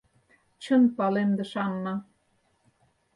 — Чын палемдыш Анна.